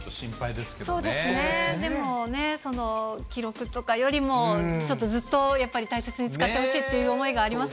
でもね、記録とかよりも、ちょっとずっとやっぱり大切に使ってほしいという思いがあります